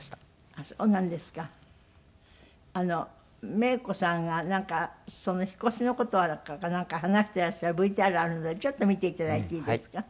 メイコさんがなんかその引っ越しの事だかなんか話してらっしゃるＶＴＲあるのでちょっと見ていただいていいですか。